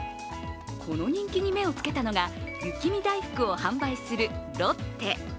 この人気に目をつけたのが雪見だいふくを販売するロッテ。